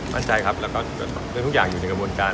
มั่งใจครับไม่ต้องการแล้วก็เรื่องทุกอย่างอยู่ในกำวิวจาน